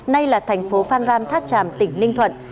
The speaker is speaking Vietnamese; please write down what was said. nay là thành phố phan rang tháp tràm tỉnh ninh thuận